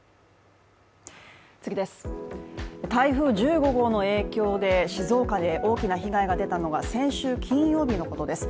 台風１５号の影響で静岡で大きな被害が出たのが先週金曜日のことです。